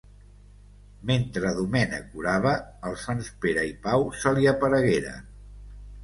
Mentre Domènec orava, els sants Pere i Pau se li aparegueren.